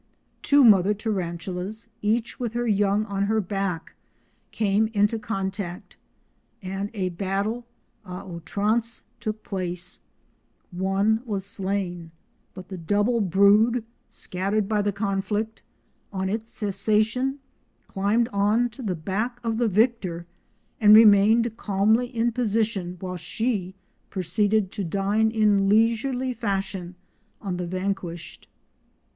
Two mother tarantulas, each with her young on her back, came into contact, and a battle à outrance took place. One was slain, but the double brood, scattered by the conflict, on its cessation climbed on to the back of the victor, and remained calmly in position while she proceeded to dine in leisurely fashion on the vanquished!